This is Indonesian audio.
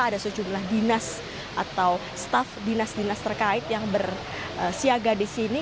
ada sejumlah dinas atau staf dinas dinas terkait yang bersiaga di sini